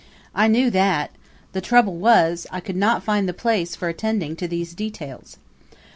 I knew that; the trouble was I could not find the place for attending to these details.